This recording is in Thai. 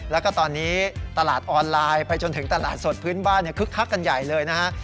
แล้วก็ตอนนี้ตลาดออนไลน์ไปจนถึงตลาดสดพื้นบ้านคึกคักกันใหญ่เลยนะฮะ